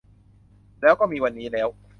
แล้วก็มีวันนี้แล้ว